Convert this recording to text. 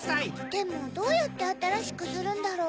でもどうやってあたらしくするんだろう？